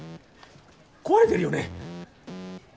壊れてるよね？